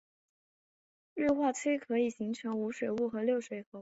氯化铽可以形成无水物和六水合物。